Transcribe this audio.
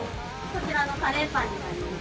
こちらのカレーパンになります。